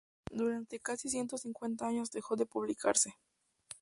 Durante casi ciento cincuenta años dejó de publicarse.